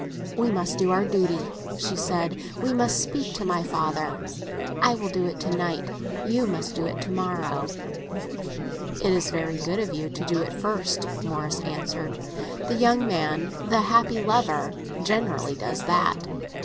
"We must do our duty," she said; "we must speak to my father. I will do it to night; you must do it to morrow." "It is very good of you to do it first," Morris answered. "The young man—the happy lover—generally does that.